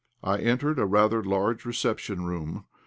I entered a rather large reception room.